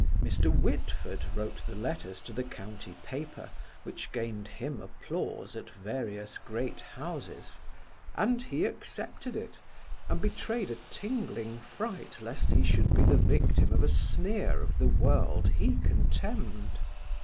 Mr. Whitford wrote the letters to the county paper which gained him applause at various great houses, and he accepted it, and betrayed a tingling fright lest he should be the victim of a sneer of the world he contemned.